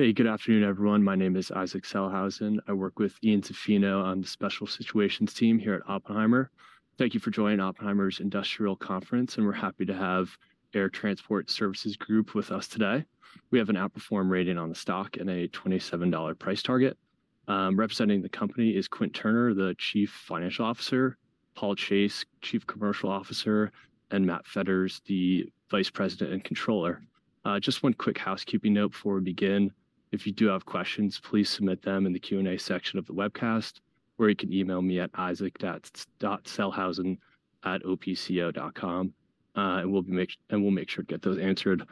Hey, good afternoon, everyone. My name is Isaac Sellhausen. I work with Ian Zaffino on the Special Situations Team here at Oppenheimer. Thank you for joining Oppenheimer's Industrial Conference, and we're happy to have Air Transport Services Group with us today. We have an outperform rating on the stock and a $27 price target. Representing the company is Quint Turner, the Chief Financial Officer; Paul Chase, Chief Commercial Officer; and Matt Fedders, the Vice President and Controller. Just one quick housekeeping note before we begin: if you do have questions, please submit them in the Q&A section of the webcast, or you can email me at isaac.sellhausen@opco.com, and we'll make sure to get those answered.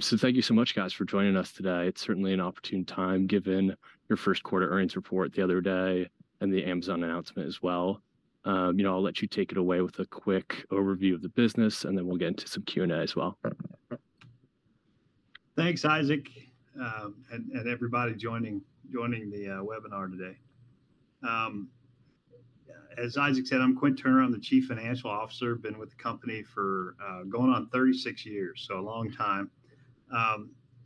So thank you so much, guys, for joining us today. It's certainly an opportune time, given your first quarter earnings report the other day and the Amazon announcement as well. You know, I'll let you take it away with a quick overview of the business, and then we'll get into some Q&A as well. Thanks, Isaac, and everybody joining the webinar today. As Isaac said, I'm Quint Turner. I'm the Chief Financial Officer. Been with the company for going on 36 years, so a long time.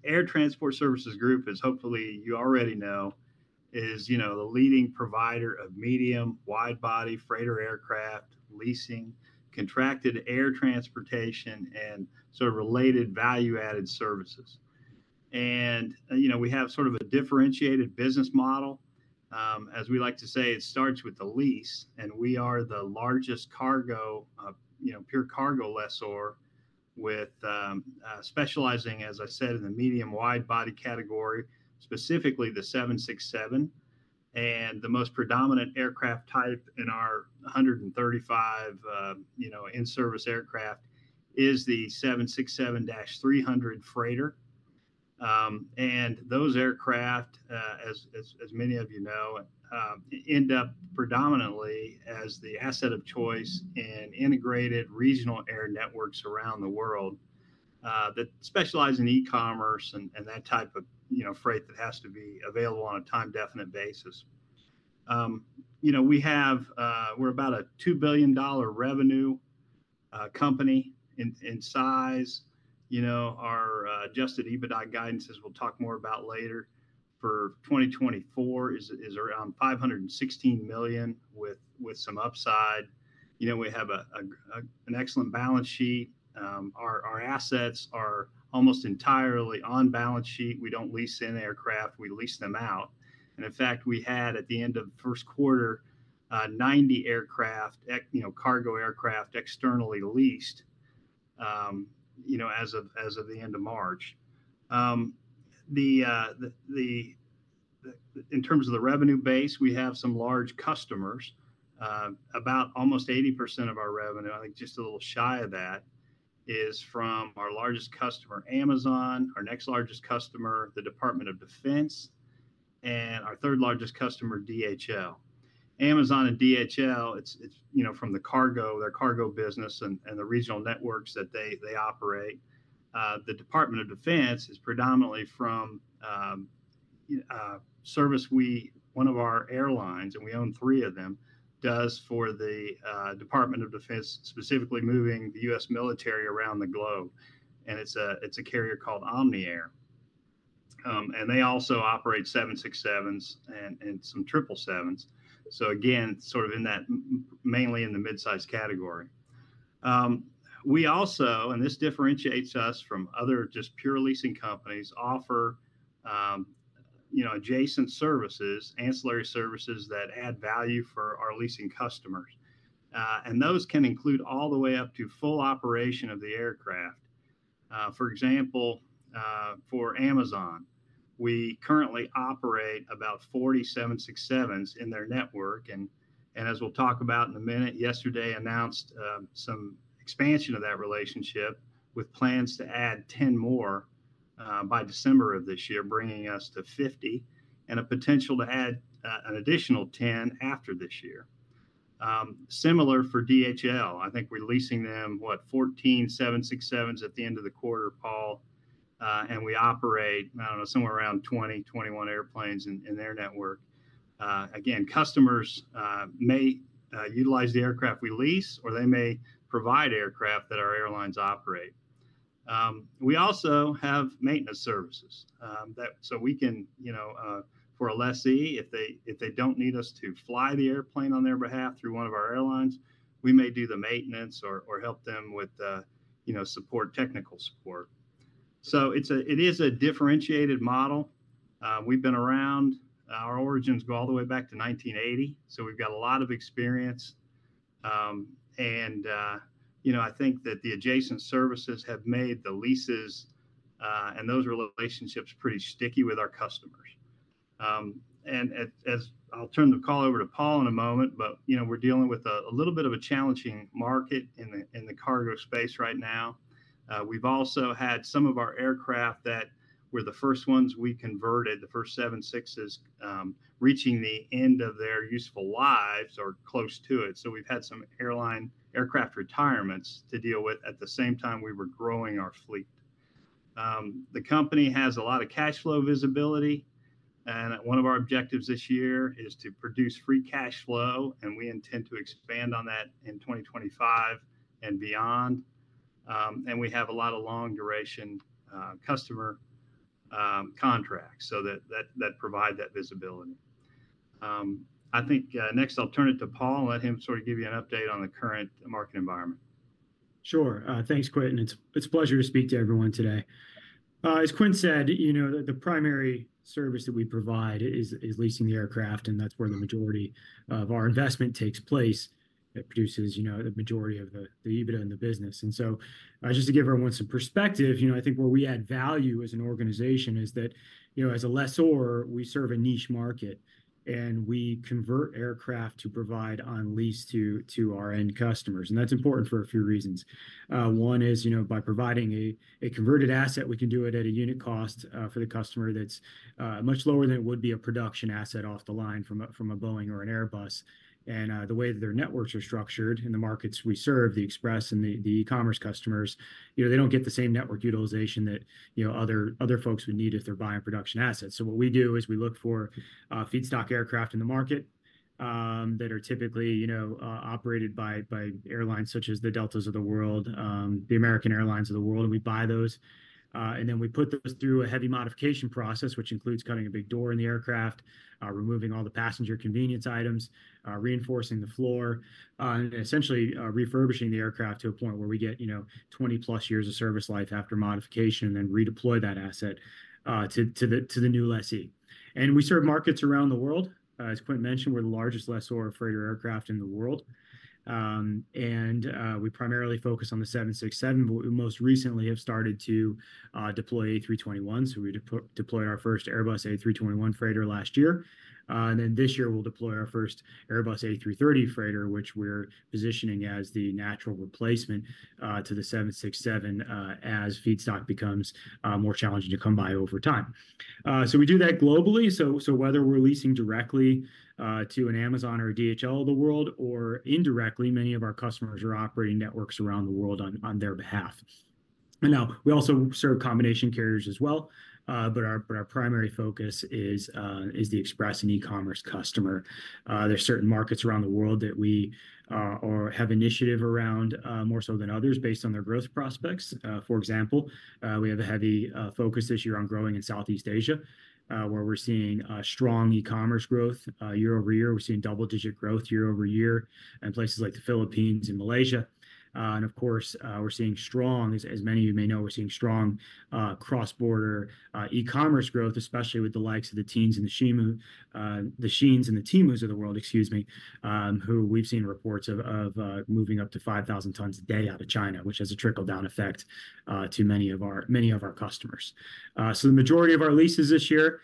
Air Transport Services Group is, hopefully you already know, is, you know, the leading provider of medium wide-body freighter aircraft, leasing, contracted air transportation, and sort of related value-added services. And, you know, we have sort of a differentiated business model. As we like to say, it starts with the lease, and we are the largest cargo, you know, pure cargo lessor with specializing, as I said, in the medium wide-body category, specifically the 767. And the most predominant aircraft type in our 135, you know, in-service aircraft is the 767-300 freighter. And those aircraft, as many of you know, end up predominantly as the asset of choice in integrated regional air networks around the world that specialize in e-commerce and that type of, you know, freight that has to be available on a time-definite basis. You know, we're about a $2 billion revenue company in size. You know, our Adjusted EBITDA guidances, we'll talk more about later, for 2024 is around $516 million with some upside. You know, we have an excellent balance sheet. Our assets are almost entirely on balance sheet. We don't lease in aircraft. We lease them out. And in fact, we had, at the end of the first quarter, 90 aircraft, you know, cargo aircraft externally leased, you know, as of the end of March. In terms of the revenue base, we have some large customers. About almost 80% of our revenue, I think just a little shy of that, is from our largest customer, Amazon, our next largest customer, the Department of Defense, and our third largest customer, DHL. Amazon and DHL, you know, from the cargo, their cargo business and the regional networks that they operate. The Department of Defense is predominantly from service we one of our airlines, and we own three of them, does for the Department of Defense, specifically moving the U.S. military around the globe. And it's a carrier called Omni Air. And they also operate 767s and some 777s. So again, sort of in that mainly in the midsize category. We also and this differentiates us from other just pure leasing companies offer, you know, adjacent services, ancillary services that add value for our leasing customers. And those can include all the way up to full operation of the aircraft. For example, for Amazon, we currently operate about 40 767s in their network. As we'll talk about in a minute, yesterday announced some expansion of that relationship with plans to add 10 more by December of this year, bringing us to 50 and a potential to add an additional 10 after this year. Similar for DHL. I think we're leasing them, what, 14 767s at the end of the quarter, Paul. We operate, I don't know, somewhere around 20, 21 airplanes in their network. Again, customers may utilize the aircraft we lease, or they may provide aircraft that our airlines operate. We also have maintenance services that so we can, you know, for a lessee, if they don't need us to fly the airplane on their behalf through one of our airlines, we may do the maintenance or help them with, you know, support, technical support. So it is a differentiated model. We've been around; our origins go all the way back to 1980. So we've got a lot of experience. And, you know, I think that the adjacent services have made the leases and those relationships pretty sticky with our customers. And as I'll turn the call over to Paul in a moment, but, you know, we're dealing with a little bit of a challenging market in the cargo space right now. We've also had some of our aircraft that were the first ones we converted, the first 767s, reaching the end of their useful lives or close to it. So we've had some airline aircraft retirements to deal with at the same time we were growing our fleet. The company has a lot of cash flow visibility. One of our objectives this year is to produce free cash flow, and we intend to expand on that in 2025 and beyond. We have a lot of long-duration customer contracts so that provide that visibility. I think next I'll turn it to Paul and let him sort of give you an update on the current market environment. Sure. Thanks, Quint. It's a pleasure to speak to everyone today. As Quint said, you know, the primary service that we provide is leasing the aircraft, and that's where the majority of our investment takes place. It produces, you know, the majority of the EBITDA in the business. Just to give everyone some perspective, you know, I think where we add value as an organization is that, you know, as a lessor, we serve a niche market, and we convert aircraft to provide on lease to our end customers. That's important for a few reasons. One is, you know, by providing a converted asset, we can do it at a unit cost for the customer that's much lower than it would be a production asset off the line from a Boeing or an Airbus. The way that their networks are structured in the markets we serve, the express and the e-commerce customers, you know, they don't get the same network utilization that, you know, other folks would need if they're buying production assets. So what we do is we look for feedstock aircraft in the market that are typically, you know, operated by airlines such as the Deltas of the world, the American Airlines of the world, and we buy those. And then we put those through a heavy modification process, which includes cutting a big door in the aircraft, removing all the passenger convenience items, reinforcing the floor, and essentially refurbishing the aircraft to a point where we get, you know, 20+ years of service life after modification and then redeploy that asset to the new lessee. And we serve markets around the world. As Quint mentioned, we're the largest lessor of freighter aircraft in the world. We primarily focus on the 767, but we most recently have started to deploy A321. We deployed our first Airbus A321 freighter last year. Then this year we'll deploy our first Airbus A330 freighter, which we're positioning as the natural replacement to the 767 as feedstock becomes more challenging to come by over time. We do that globally. Whether we're leasing directly to an Amazon or a DHL of the world or indirectly, many of our customers are operating networks around the world on their behalf. Now, we also serve combination carriers as well, but our primary focus is the express and e-commerce customer. There's certain markets around the world that we have initiative around more so than others based on their growth prospects. For example, we have a heavy focus this year on growing in Southeast Asia, where we're seeing strong e-commerce growth year-over-year. We're seeing double-digit growth year-over-year in places like the Philippines and Malaysia. And of course, we're seeing strong, as many of you may know, we're seeing strong cross-border e-commerce growth, especially with the likes of the Temus and the Sheins and the Temus of the world, excuse me, who we've seen reports of moving up to 5,000 tons a day out of China, which has a trickle-down effect to many of our customers. So the majority of our leases this year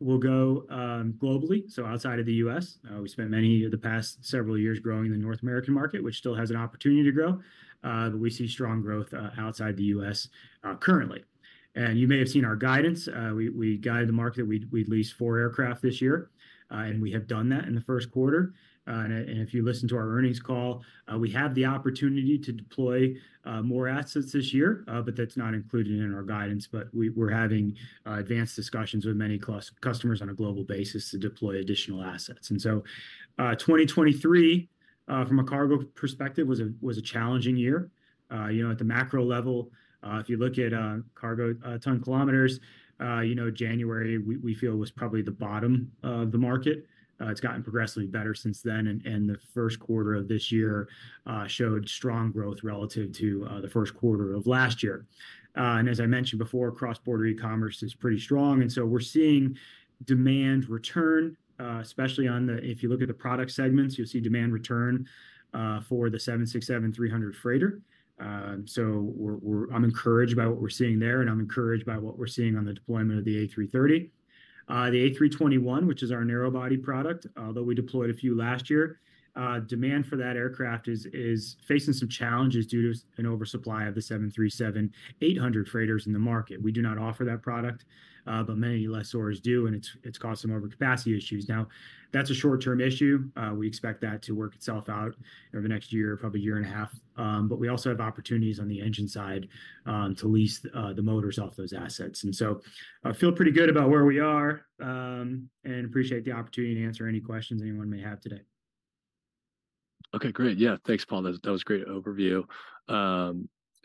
will go globally. So outside of the U.S., we spent many of the past several years growing in the North American market, which still has an opportunity to grow. But we see strong growth outside the U.S. currently. You may have seen our guidance. We guided the market that we'd lease four aircraft this year. We have done that in the first quarter. If you listen to our earnings call, we have the opportunity to deploy more assets this year, but that's not included in our guidance. We're having advanced discussions with many customers on a global basis to deploy additional assets. So 2023, from a cargo perspective, was a challenging year. You know, at the macro level, if you look at cargo ton kilometers, you know, January, we feel was probably the bottom of the market. It's gotten progressively better since then, and the first quarter of this year showed strong growth relative to the first quarter of last year. As I mentioned before, cross-border e-commerce is pretty strong. And so we're seeing demand return, especially on the if you look at the product segments, you'll see demand return for the 767-300 freighter. So I'm encouraged by what we're seeing there, and I'm encouraged by what we're seeing on the deployment of the A330. The A321, which is our narrow-body product, although we deployed a few last year, demand for that aircraft is facing some challenges due to an oversupply of the 737-800 freighters in the market. We do not offer that product, but many lessors do, and it's caused some overcapacity issues. Now, that's a short-term issue. We expect that to work itself out over the next year, probably a year and a half. But we also have opportunities on the engine side to lease the motors off those assets. I feel pretty good about where we are and appreciate the opportunity to answer any questions anyone may have today. Okay, great. Yeah, thanks, Paul. That was a great overview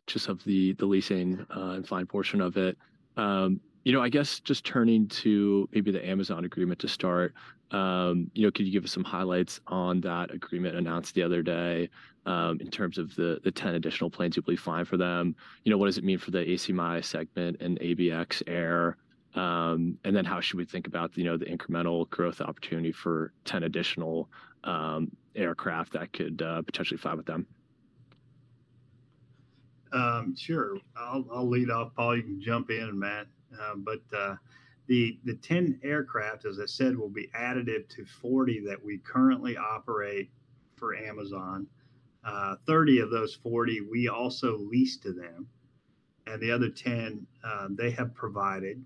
just of the leasing and flying portion of it. You know, I guess just turning to maybe the Amazon agreement to start, you know, could you give us some highlights on that agreement announced the other day in terms of the 10 additional planes you believe flying for them? You know, what does it mean for the ACMI segment and ABX Air? And then how should we think about, you know, the incremental growth opportunity for 10 additional aircraft that could potentially fly with them? Sure. I'll lead off. Paul, you can jump in, Matt. But the 10 aircraft, as I said, will be additive to 40 that we currently operate for Amazon. 30 of those 40, we also lease to them. And the other 10, they have provided.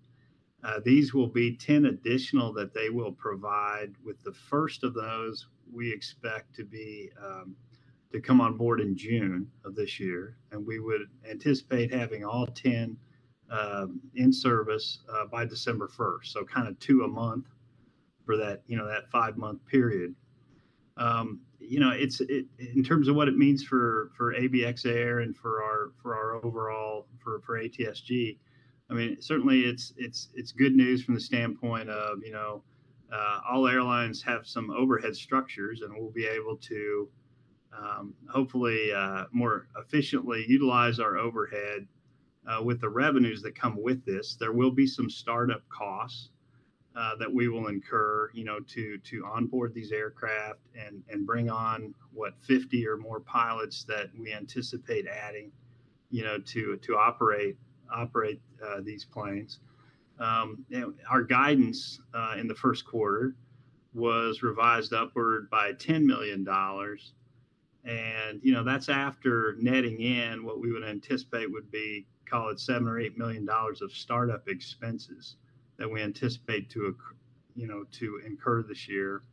These will be 10 additional that they will provide. With the first of those, we expect to come on board in June of this year. And we would anticipate having all 10 in service by December 1st. So kind of two a month for that, you know, that five-month period. You know, in terms of what it means for ABX Air and for our overall for ATSG, I mean, certainly it's good news from the standpoint of, you know, all airlines have some overhead structures, and we'll be able to hopefully more efficiently utilize our overhead with the revenues that come with this. There will be some startup costs that we will incur, you know, to onboard these aircraft and bring on, what, 50 or more pilots that we anticipate adding, you know, to operate these planes. Our guidance in the first quarter was revised upward by $10 million. You know, that's after netting in what we would anticipate would be, call it $7-$8 million of startup expenses that we anticipate to, you know, incur this year.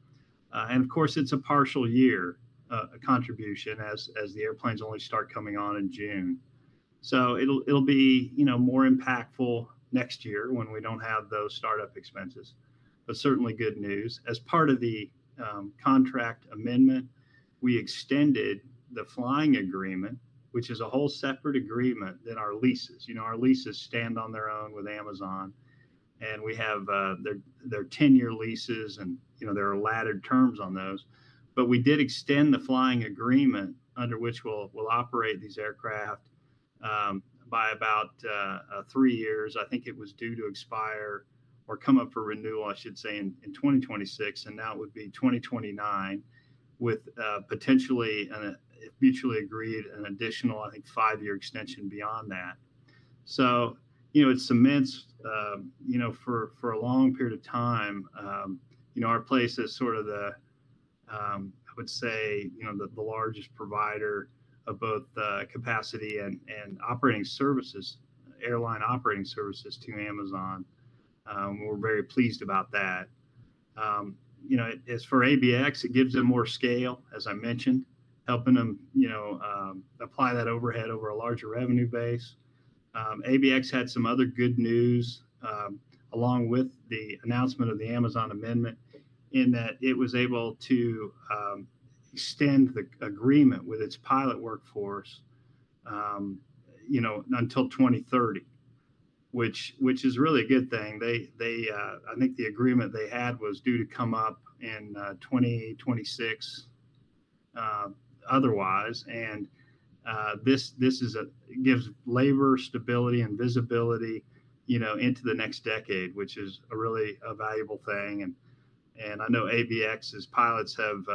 Of course, it's a partial year contribution as the airplanes only start coming on in June. It'll be, you know, more impactful next year when we don't have those startup expenses. Certainly good news. As part of the contract amendment, we extended the flying agreement, which is a whole separate agreement than our leases. You know, our leases stand on their own with Amazon. We have their 10-year leases, and, you know, there are laddered terms on those. But we did extend the flying agreement under which we'll operate these aircraft by about three years. I think it was due to expire or come up for renewal, I should say, in 2026. And now it would be 2029 with potentially a mutually agreed additional, I think, five-year extension beyond that. So, you know, it cements, you know, for a long period of time, you know, our place as sort of the, I would say, you know, the largest provider of both capacity and operating services, airline operating services to Amazon. We're very pleased about that. You know, as for ABX, it gives them more scale, as I mentioned, helping them, you know, apply that overhead over a larger revenue base. ABX had some other good news along with the announcement of the Amazon amendment in that it was able to extend the agreement with its pilot workforce, you know, until 2030, which is really a good thing. I think the agreement they had was due to come up in 2026 otherwise. This gives labor stability and visibility, you know, into the next decade, which is really a valuable thing. I know ABX's pilots have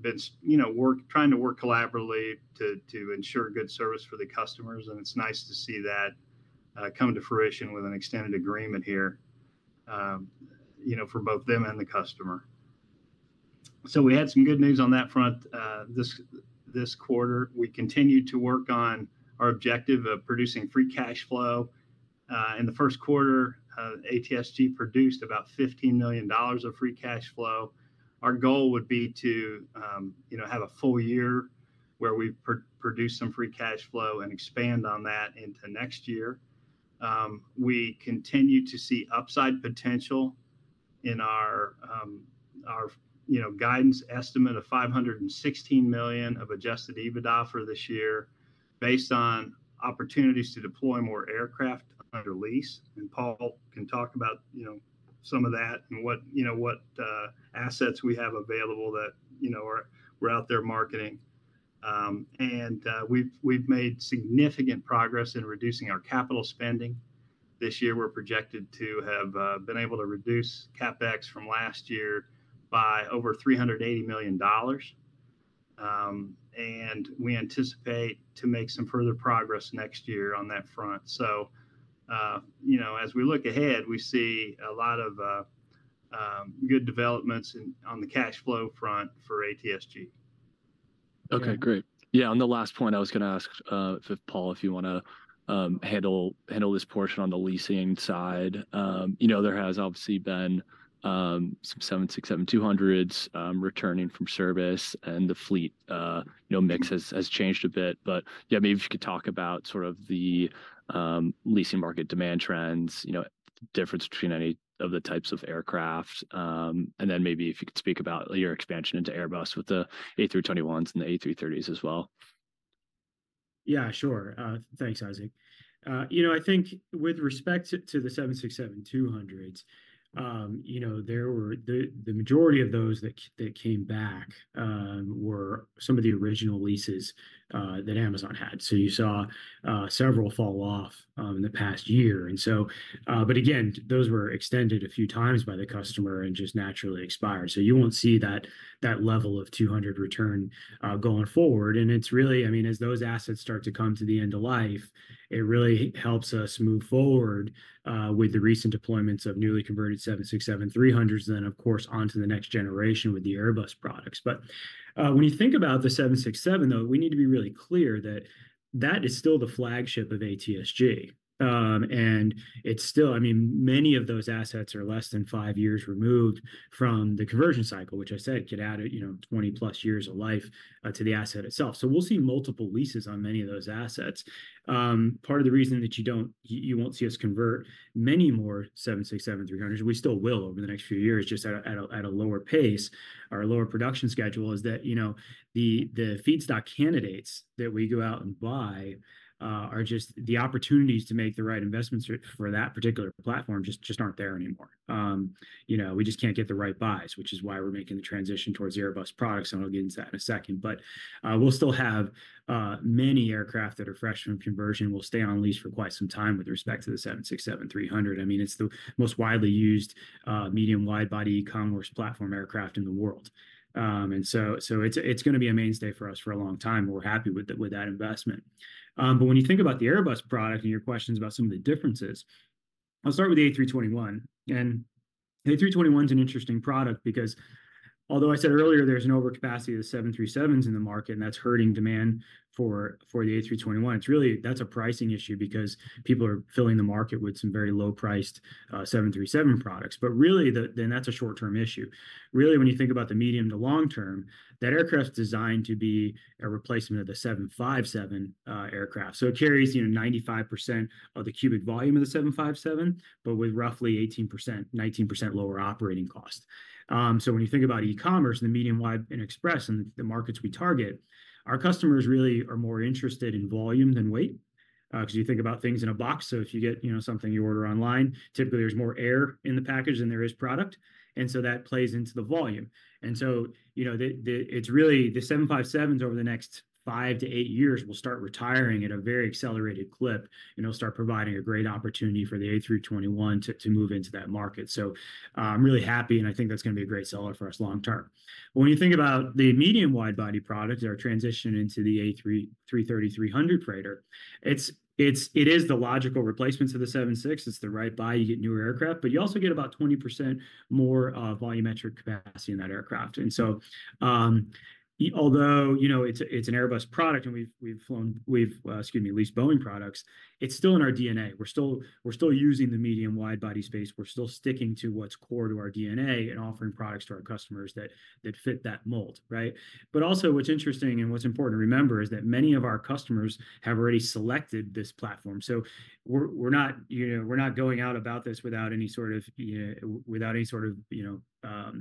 been, you know, trying to work collaboratively to ensure good service for the customers. It's nice to see that come to fruition with an extended agreement here, you know, for both them and the customer. We had some good news on that front this quarter. We continue to work on our objective of producing free cash flow. In the first quarter, ATSG produced about $15 million of free cash flow. Our goal would be to, you know, have a full year where we produce some free cash flow and expand on that into next year. We continue to see upside potential in our, you know, guidance estimate of $516 million of Adjusted EBITDA for this year based on opportunities to deploy more aircraft under lease. Paul can talk about, you know, some of that and what, you know, assets we have available that, you know, we're out there marketing. We've made significant progress in reducing our capital spending. This year, we're projected to have been able to reduce CapEx from last year by over $380 million. We anticipate to make some further progress next year on that front. You know, as we look ahead, we see a lot of good developments on the cash flow front for ATSG. Okay, great. Yeah, on the last point, I was going to ask if Paul, if you want to handle this portion on the leasing side. You know, there has obviously been some 767-200s returning from service, and the fleet, you know, mix has changed a bit. But yeah, maybe if you could talk about sort of the leasing market demand trends, you know, the difference between any of the types of aircraft. And then maybe if you could speak about your expansion into Airbus with the A321s and the A330s as well. Yeah, sure. Thanks, Isaac. You know, I think with respect to the 767-200s, you know, the majority of those that came back were some of the original leases that Amazon had. So you saw several fall off in the past year. And so, but again, those were extended a few times by the customer and just naturally expired. So you won't see that level of 200 return going forward. And it's really, I mean, as those assets start to come to the end of life, it really helps us move forward with the recent deployments of newly converted 767-300s, then, of course, onto the next generation with the Airbus products. But when you think about the 767, though, we need to be really clear that that is still the flagship of ATSG. It's still, I mean, many of those assets are less than five years removed from the conversion cycle, which I said get added, you know, 20+ years of life to the asset itself. So we'll see multiple leases on many of those assets. Part of the reason that you won't see us convert many more 767-300s, and we still will over the next few years, just at a lower pace, our lower production schedule is that, you know, the feedstock candidates that we go out and buy are just the opportunities to make the right investments for that particular platform just aren't there anymore. You know, we just can't get the right buys, which is why we're making the transition towards Airbus products. And I'll get into that in a second. But we'll still have many aircraft that are fresh from conversion. We'll stay on lease for quite some time with respect to the 767-300. I mean, it's the most widely used medium-wide-body e-commerce platform aircraft in the world. And so it's going to be a mainstay for us for a long time. We're happy with that investment. But when you think about the Airbus product and your questions about some of the differences, I'll start with the A321. And the A321 is an interesting product because although I said earlier there's an overcapacity of the 737s in the market, and that's hurting demand for the A321, it's really that's a pricing issue because people are filling the market with some very low-priced 737 products. But really, then that's a short-term issue. Really, when you think about the medium to long term, that aircraft is designed to be a replacement of the 757 aircraft. So it carries, you know, 95% of the cubic volume of the 757, but with roughly 18%-19% lower operating cost. So when you think about e-commerce and the medium-wide and express and the markets we target, our customers really are more interested in volume than weight. Because you think about things in a box. So if you get, you know, something you order online, typically there's more air in the package than there is product. And so that plays into the volume. And so, you know, it's really the 757s over the next five to eight years will start retiring at a very accelerated clip, and it'll start providing a great opportunity for the A321 to move into that market. So I'm really happy, and I think that's going to be a great seller for us long term. But when you think about the medium-wide-body product that are transitioning into the A330-300 freighter, it is the logical replacements of the 76. It's the right buy. You get newer aircraft, but you also get about 20% more volumetric capacity in that aircraft. And so although, you know, it's an Airbus product and excuse me, we've leased Boeing products, it's still in our DNA. We're still using the medium-wide-body space. We're still sticking to what's core to our DNA and offering products to our customers that fit that mold, right? But also what's interesting and what's important to remember is that many of our customers have already selected this platform. So we're not, you know, we're not going out about this without any sort of, you know,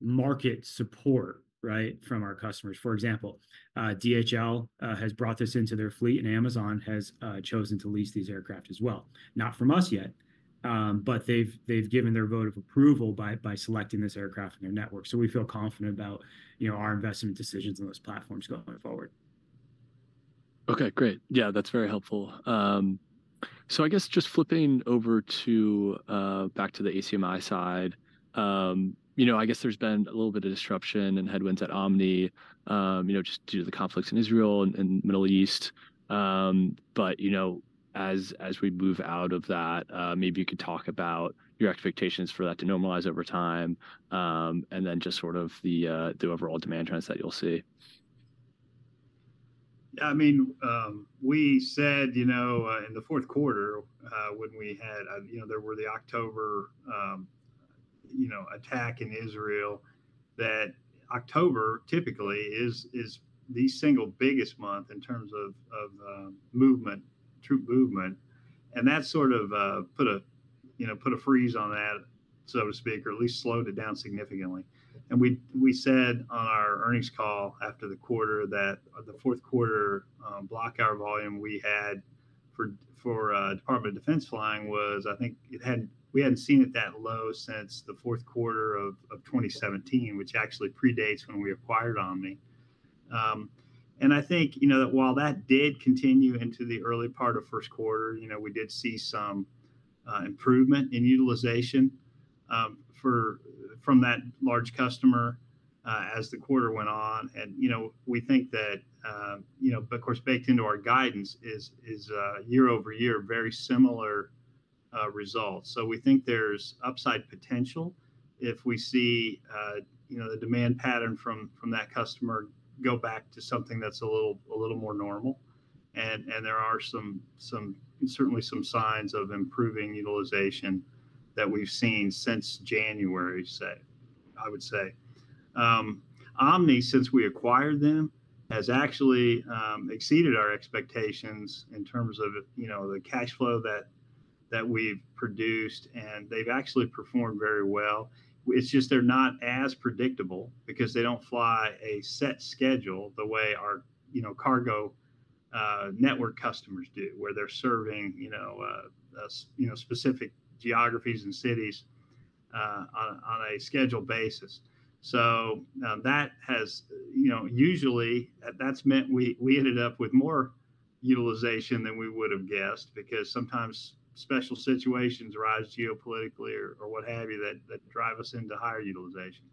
market support, right, from our customers. For example, DHL has brought this into their fleet, and Amazon has chosen to lease these aircraft as well. Not from us yet. But they've given their vote of approval by selecting this aircraft in their network. So we feel confident about, you know, our investment decisions on those platforms going forward. Okay, great. Yeah, that's very helpful. So I guess just flipping over to back to the ACMI side, you know, I guess there's been a little bit of disruption and headwinds at Omni, you know, just due to the conflicts in Israel and Middle East. But, you know, as we move out of that, maybe you could talk about your expectations for that to normalize over time and then just sort of the overall demand trends that you'll see. Yeah, I mean, we said, you know, in the fourth quarter when we had, you know, there were the October, you know, attack in Israel, that October typically is the single biggest month in terms of movement, troop movement. And that sort of put a, you know, put a freeze on that, so to speak, or at least slowed it down significantly. And we said on our earnings call after the quarter that the fourth quarter block hour volume we had for Department of Defense flying was, I think we hadn't seen it that low since the fourth quarter of 2017, which actually predates when we acquired Omni. And I think, you know, that while that did continue into the early part of first quarter, you know, we did see some improvement in utilization from that large customer as the quarter went on. You know, we think that, you know, but of course, baked into our guidance is year-over-year, very similar results. So we think there's upside potential if we see, you know, the demand pattern from that customer go back to something that's a little more normal. And there are some, certainly some signs of improving utilization that we've seen since January, I would say. Omni, since we acquired them, has actually exceeded our expectations in terms of, you know, the cash flow that we've produced. And they've actually performed very well. It's just they're not as predictable because they don't fly a set schedule the way our, you know, cargo network customers do, where they're serving, you know, specific geographies and cities on a scheduled basis. So that has, you know, usually that's meant we ended up with more utilization than we would have guessed because sometimes special situations arise geopolitically or what have you that drive us into higher utilization.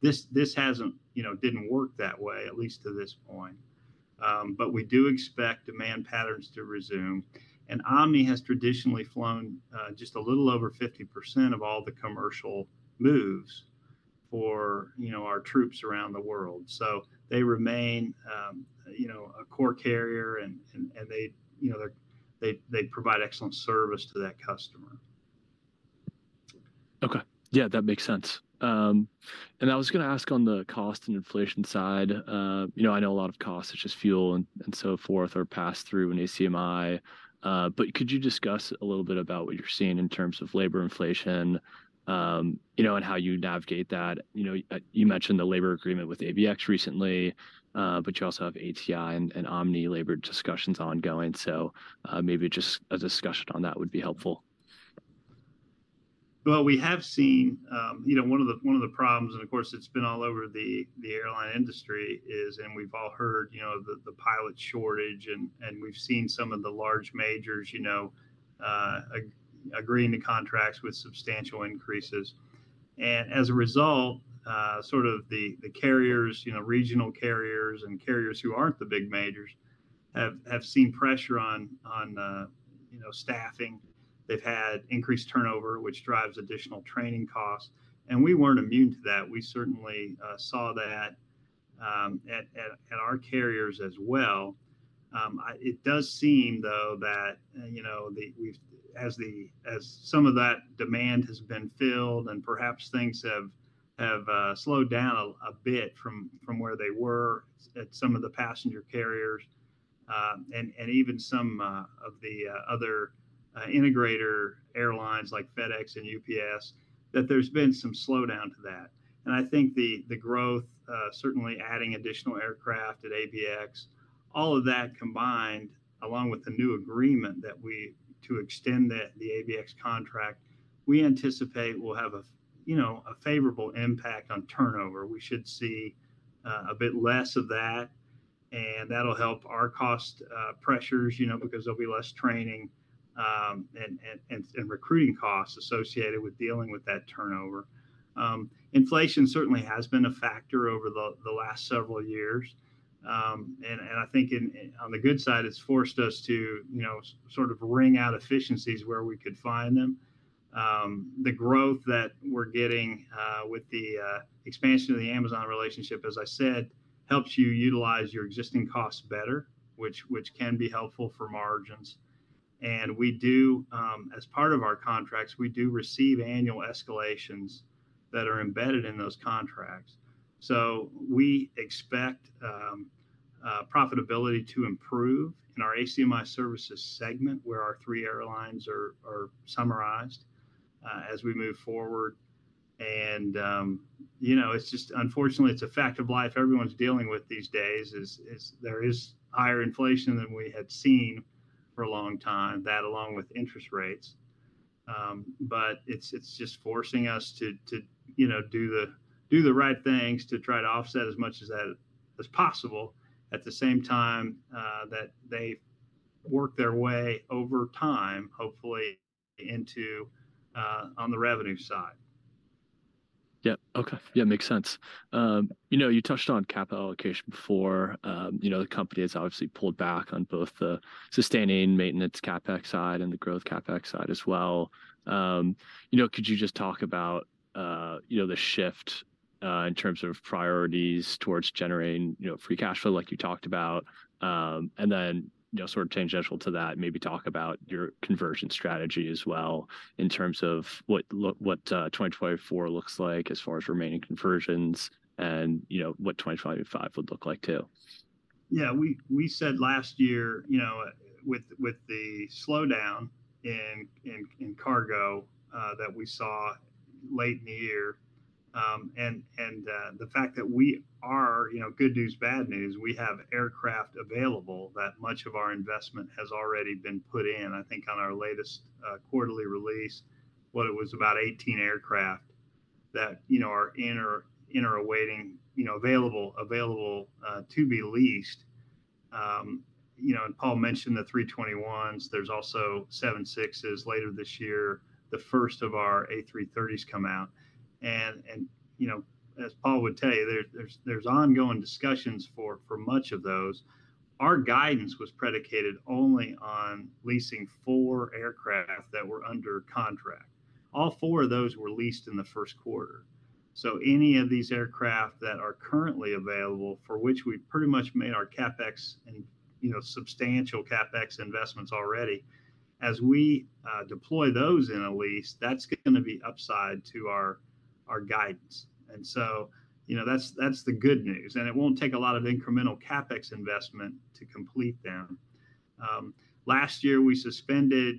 This hasn't, you know, didn't work that way, at least to this point. But we do expect demand patterns to resume. And Omni has traditionally flown just a little over 50% of all the commercial moves for, you know, our troops around the world. So they remain, you know, a core carrier and they, you know, they provide excellent service to that customer. Okay. Yeah, that makes sense. I was going to ask on the cost and inflation side. You know, I know a lot of costs, it's just fuel and so forth are passed through an ACMI. But could you discuss a little bit about what you're seeing in terms of labor inflation, you know, and how you navigate that? You know, you mentioned the labor agreement with ABX recently, but you also have ATI and Omni labor discussions ongoing. So maybe just a discussion on that would be helpful. Well, we have seen, you know, one of the problems, and of course, it's been all over the airline industry, is, and we've all heard, you know, the pilot shortage, and we've seen some of the large majors, you know, agreeing to contracts with substantial increases. As a result, sort of the carriers, you know, regional carriers and carriers who aren't the big majors have seen pressure on, you know, staffing. They've had increased turnover, which drives additional training costs. We weren't immune to that. We certainly saw that at our carriers as well. It does seem, though, that, you know, as some of that demand has been filled and perhaps things have slowed down a bit from where they were at some of the passenger carriers and even some of the other integrator airlines like FedEx and UPS, that there's been some slowdown to that. I think the growth, certainly adding additional aircraft at ABX, all of that combined, along with the new agreement that we to extend the ABX contract, we anticipate we'll have a, you know, a favorable impact on turnover. We should see a bit less of that. That'll help our cost pressures, you know, because there'll be less training and recruiting costs associated with dealing with that turnover. Inflation certainly has been a factor over the last several years. I think on the good side, it's forced us to, you know, sort of wring out efficiencies where we could find them. The growth that we're getting with the expansion of the Amazon relationship, as I said, helps you utilize your existing costs better, which can be helpful for margins. We do, as part of our contracts, we do receive annual escalations that are embedded in those contracts. So we expect profitability to improve in our ACMI services segment where our three airlines are summarized as we move forward. And, you know, it's just unfortunately, it's a fact of life. Everyone's dealing with these days is there is higher inflation than we had seen for a long time, that along with interest rates. But it's just forcing us to, you know, do the right things to try to offset as much as that as possible at the same time that they work their way over time, hopefully, on the revenue side. Yeah. Okay. Yeah, makes sense. You know, you touched on capital allocation before. You know, the company has obviously pulled back on both the sustaining maintenance CapEx side and the growth CapEx side as well. You know, could you just talk about, you know, the shift in terms of priorities towards generating free cash flow like you talked about? And then, you know, sort of change tack to that, maybe talk about your conversion strategy as well in terms of what 2024 looks like as far as remaining conversions and, you know, what 2025 would look like too. Yeah, we said last year, you know, with the slowdown in cargo that we saw late in the year and the fact that we are, you know, good news, bad news, we have aircraft available that much of our investment has already been put in. I think on our latest quarterly release, what it was about 18 aircraft that, you know, are in or awaiting, you know, available to be leased. You know, and Paul mentioned the 321s. There's also 767s later this year. The first of our A330s come out. And, you know, as Paul would tell you, there's ongoing discussions for much of those. Our guidance was predicated only on leasing four aircraft that were under contract. All four of those were leased in the first quarter. So any of these aircraft that are currently available for which we've pretty much made our CapEx and, you know, substantial CapEx investments already, as we deploy those in a lease, that's going to be upside to our guidance. And so, you know, that's the good news. And it won't take a lot of incremental CapEx investment to complete them. Last year, we suspended,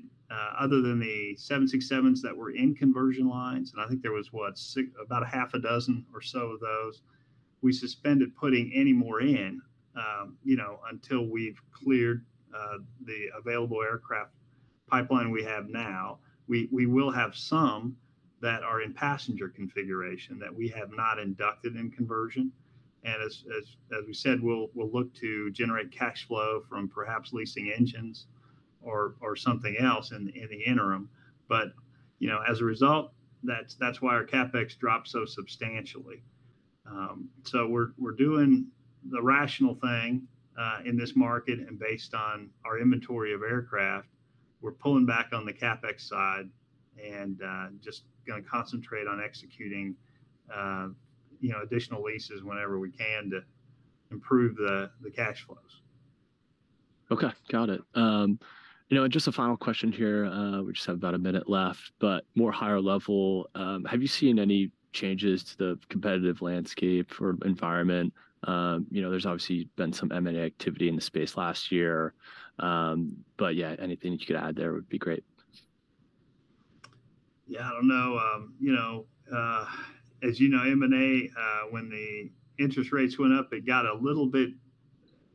other than the 767s that were in conversion lines, and I think there was, what, about six or so of those, we suspended putting any more in, you know, until we've cleared the available aircraft pipeline we have now. We will have some that are in passenger configuration that we have not inducted in conversion. And as we said, we'll look to generate cash flow from perhaps leasing engines or something else in the interim. You know, as a result, that's why our CapEx dropped so substantially. We're doing the rational thing in this market and based on our inventory of aircraft, we're pulling back on the CapEx side and just going to concentrate on executing, you know, additional leases whenever we can to improve the cash flows. Okay. Got it. You know, and just a final question here. We just have about a minute left, but more higher level. Have you seen any changes to the competitive landscape or environment? You know, there's obviously been some M&A activity in the space last year. But yeah, anything that you could add there would be great. Yeah, I don't know. You know, as you know, M&A, when the interest rates went up, it got a little bit,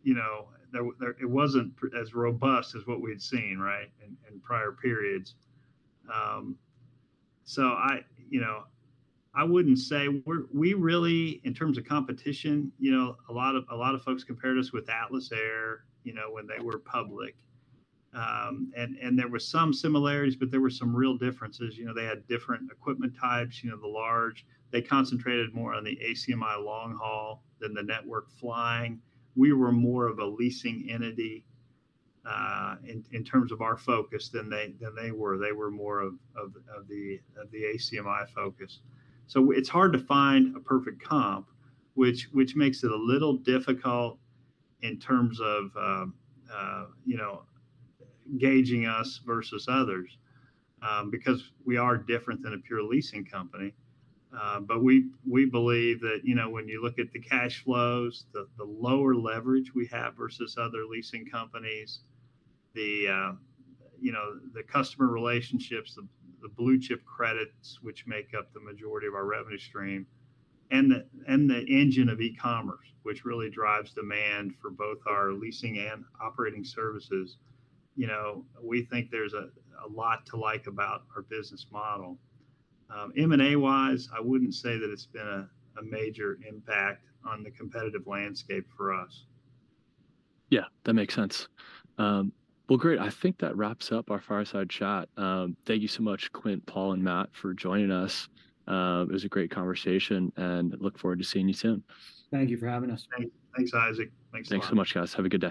you know, it wasn't as robust as what we'd seen, right, in prior periods. So I, you know, I wouldn't say we really, in terms of competition, you know, a lot of folks compared us with Atlas Air, you know, when they were public. And there were some similarities, but there were some real differences. You know, they had different equipment types, you know, the large, they concentrated more on the ACMI long haul than the network flying. We were more of a leasing entity in terms of our focus than they were. They were more of the ACMI focus. So it's hard to find a perfect comp, which makes it a little difficult in terms of, you know, gauging us versus others because we are different than a pure leasing company. But we believe that, you know, when you look at the cash flows, the lower leverage we have versus other leasing companies, the, you know, the customer relationships, the blue chip credits, which make up the majority of our revenue stream, and the engine of e-commerce, which really drives demand for both our leasing and operating services, you know, we think there's a lot to like about our business model. M&A-wise, I wouldn't say that it's been a major impact on the competitive landscape for us. Yeah, that makes sense. Well, great. I think that wraps up our fireside chat. Thank you so much, Quint, Paul, and Matt for joining us. It was a great conversation and look forward to seeing you soon. Thank you for having us. Thanks, Isaac. Thanks a lot. Thanks so much, guys. Have a good day.